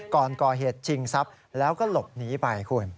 ก่อนก่อเหตุชิงทรัพย์แล้วก็หลบหนีไปคุณ